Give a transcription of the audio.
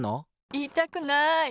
いいたくない。